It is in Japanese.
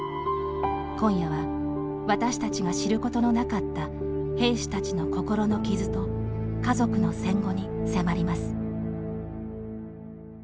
今夜は、私たちが知ることのなかった兵士たちの心の傷と家族の戦後に迫ります。